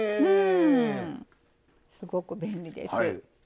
すごく便利です。